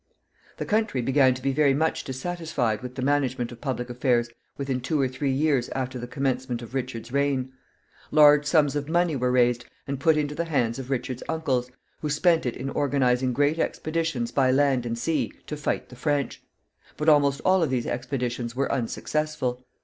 The country began to be very much dissatisfied with the management of public affairs within two or three years after the commencement of Richard's reign. Large sums of money were raised, and put into the hands of Richard's uncles, who spent it in organizing great expeditions by land and sea to fight the French; but almost all of these expeditions were unsuccessful.